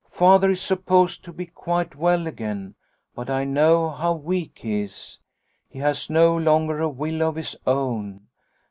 Father is supposed to be quite well again, but I know how weak he is. He has no longer a will of his own.